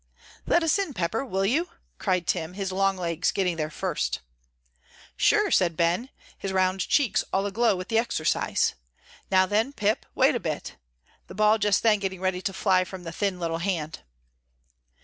"Let us in, Pepper, will you?" cried Tim, his long legs getting there first. "Sure," said Ben, his round cheeks all aglow with the exercise. "Now then, Pip, wait a bit," the ball just then getting ready to fly from the thin little hand.